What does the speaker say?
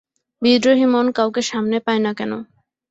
বিদ্রোহী মন কাউকে সামনে পায় না কেন।